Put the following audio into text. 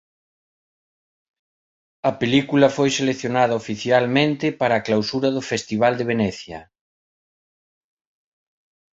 A película foi seleccionada oficialmente para a clausura do Festival de Venecia.